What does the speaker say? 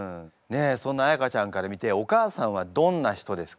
そんな彩歌ちゃんから見てお母さんはどんな人ですか？